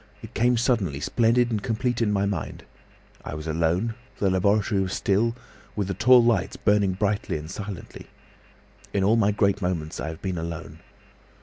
It came suddenly, splendid and complete in my mind. I was alone; the laboratory was still, with the tall lights burning brightly and silently. In all my great moments I have been alone.